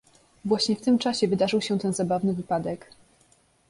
"Właśnie w tym czasie wydarzył się ten zabawny wypadek."